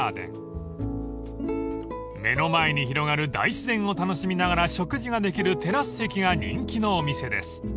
［目の前に広がる大自然を楽しみながら食事ができるテラス席が人気のお店です］